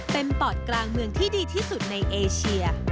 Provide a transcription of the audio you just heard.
เป็นปอดกลางเมืองที่ดีที่สุดในเอเชีย